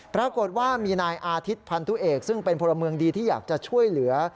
ปรากฏว่ามีนายอาทิตย์พันธุเอกซึ่งเป็นพลเมืองดีที่อยากจะช่วยเหลือ